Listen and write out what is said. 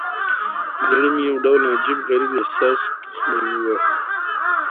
زړه مې يو ډول عجيب، غريب احساس تخنوه.